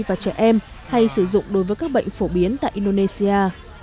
và trẻ em hay sử dụng đối với các bệnh phổ biến tại indonesia